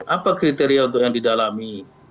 apa kriteria untuk yang didalami